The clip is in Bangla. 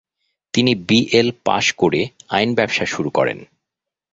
তিনি বি. এল. পাশ করে আইন ব্যবসা শুরু করেন।